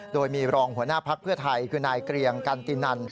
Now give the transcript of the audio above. โดยมีรองหัวหน้าภักดิ์เพื่อไทยคือนายเกรียงกันตินัน